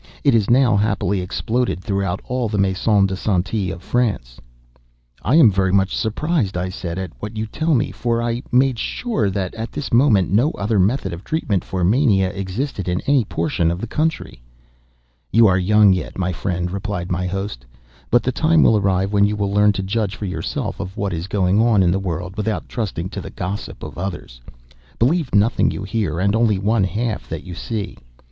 It is now, happily, exploded throughout all the Maisons de Santé of France." "I am very much surprised," I said, "at what you tell me; for I made sure that, at this moment, no other method of treatment for mania existed in any portion of the country." "You are young yet, my friend," replied my host, "but the time will arrive when you will learn to judge for yourself of what is going on in the world, without trusting to the gossip of others. Believe nothing you hear, and only one half that you see.